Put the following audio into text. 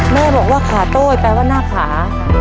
แม่บอกว่าขาโต้ยแปลว่าหน้าขา